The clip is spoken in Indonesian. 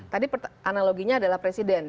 tadi analoginya adalah presiden